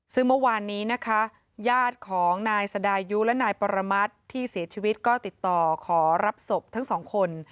ซึ่งเมื่อวานนี้นะคะญาติของนายสดายุและนายปรมัติที่เสียชีวิตก็ติดต่อขอรับศพทั้งสองคน